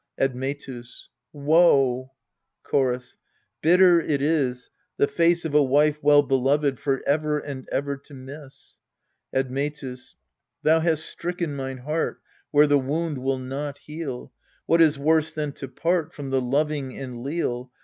Admetus. Woe ! Chorus. Bitter it is The face of a wife well beloved for ever and ever to miss. Admetus. Thou hast stricken mine heart Where the wound will not heal. What is worse than to part From the loving and leal